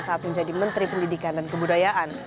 saat menjadi menteri pendidikan dan kebudayaan